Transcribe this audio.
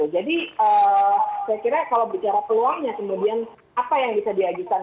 jadi saya kira kalau bicara peluangnya kemudian apa yang bisa diagihkan